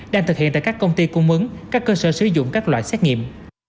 đang thực hiện tại các công ty cung ứng các cơ sở sử dụng các loại xét nghiệm